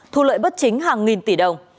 thu lợi bất chính hàng nghìn tỷ đồng